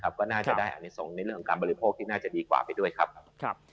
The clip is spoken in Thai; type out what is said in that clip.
ก็น่าจะได้อันนี้ส่งในเรื่องของการบริโภคที่น่าจะดีกว่าไปด้วยครับ